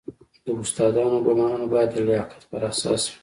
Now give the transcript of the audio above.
د استادانو ګمارنه باید د لیاقت پر اساس وي